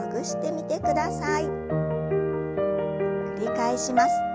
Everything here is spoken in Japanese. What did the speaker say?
繰り返します。